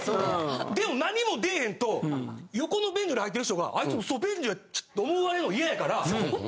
でも何も出えへんと横の便所に入ってる人が「あいつ嘘便所や」と思われるのが嫌やから。